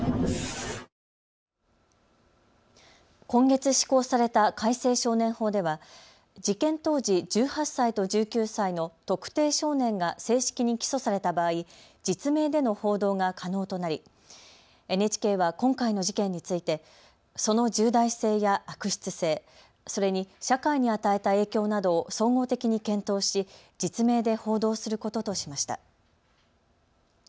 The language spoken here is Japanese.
今月施行された改正少年法では事件当時、１８歳と１９歳の特定少年が正式に起訴された場合、実名での報道が可能となりＮＨＫは今回の事件についてその重大性や悪質性、それに社会に与えた影響などを総合的に検討し実名で報道することとしました。